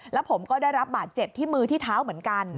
แล้วผมก็ได้รับบาดเจ็บที่มือที่เท้าเหมือนกัน